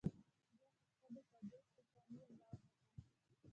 بيا پسته د تاجکستان په پامير راواوښتم.